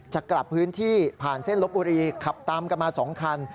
จะกลับพื้นที่ผ่านเส้นลบบุรีขับตามกันมา๒คัน